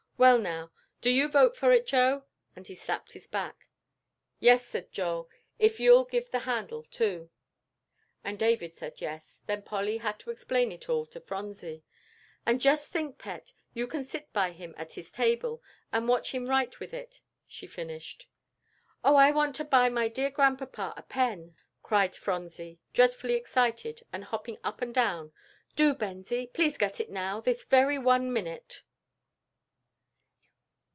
Well, now, do you vote for it, Joe?" and he slapped his back. "Yes," said Joel, "if you'll give the handle, too." And David saying "yes," then Polly had to explain it all to Phronsie. "And just think, pet, you can sit by him at his table, and watch him write with it," she finished. "Oh, I want to buy my dear Grandpapa a pen," cried Phronsie, dreadfully excited and hopping up and down; "do, Bensie, please get it now, this very one minute!"